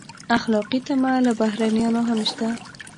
اخلاقي تمه له بهرنیانو هم شته.